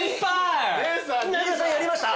名倉さんやりました！